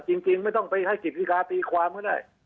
จริงไม่ต้องไปให้กฤษฎิกาตีความก็ได้